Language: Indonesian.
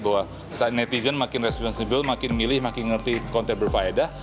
bahwa saat netizen makin responsibel makin milih makin ngerti konten berfaedah